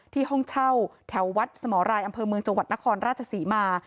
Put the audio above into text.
ห้องเช่าแถววัดสมรายอำเภอเมืองจังหวัดนครราชศรีมา